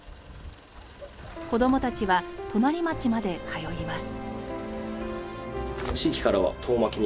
子どもたちは隣町まで通います。